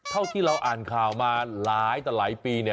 เท่าที่เราอ่านข่าวมาหลายปี